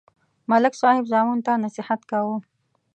ملک صاحب زامنو ته نصحت کاوه